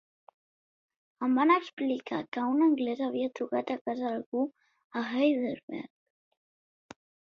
Em van explicar que un anglès havia trucat a casa d'algú a Heidelberg.